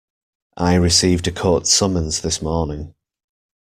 I received a court summons this morning.